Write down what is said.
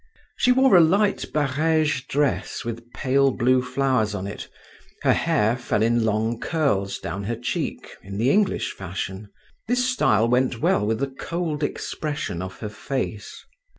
She wore a light barége dress with pale blue flowers on it; her hair fell in long curls down her cheek in the English fashion; this style went well with the cold expression of her face.